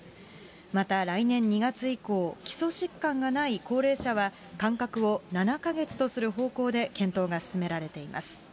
また来年２月以降、基礎疾患がない高齢者は、間隔を７か月とする方向で、検討が進められています。